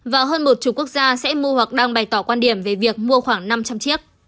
và hơn một chục quốc gia sẽ mua hoặc đang bày tỏ quan điểm về việc mua khoảng năm trăm linh chiếc